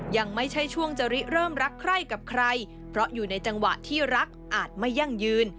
ยังไม่ใช่ช่วงจะริเริ่มรักใคร่กับใครเพราะอยู่ในจังหวะที่รักอาจไม่ยั่งยืน